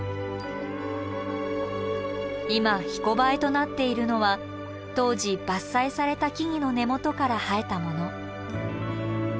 今ひこばえとなっているのは当時伐採された木々の根元から生えたもの。